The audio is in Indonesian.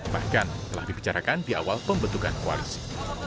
bahkan telah dibicarakan di awal pembentukan koalisi